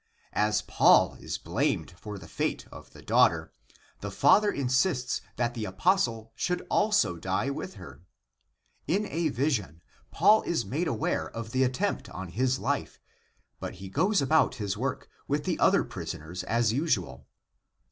As Paul is blamed for the fate of the daugh ter, the father insists that the apostle should also die with her. In a vision Paul is made aware of the attempt on ACTS OF PAUL 7 his life, but he goes about his work with the other pris oners as usual.